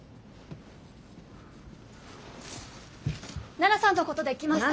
奈々さんのことで来ました。